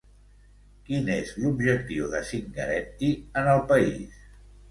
Quin és l'objectiu de Zingaretti en el país?